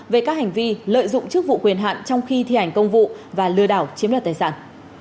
về các hành vi lợi dụng chức vụ quyền hạn trong khi thi hành công vụ và lừa đảo chiếm đoạt tài sản